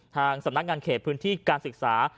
ทางสำนักงานเขตพื้นที่การศึกษา